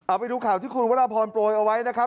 เอาไปดูข่าวที่คุณวรพรโปรยเอาไว้นะครับ